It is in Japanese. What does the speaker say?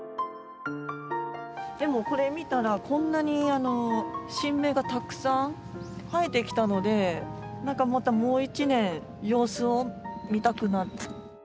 でもこれ見たらこんなに新芽がたくさん生えてきたので何かまたもう一年様子を見たくなった。